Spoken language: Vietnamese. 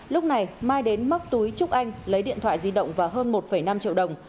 lúc này mai đến móc túi trúc anh lấy điện thoại di động và hơn một năm triệu đồng